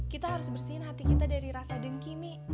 kita harus bersihin hati kita dari rasa dengki mi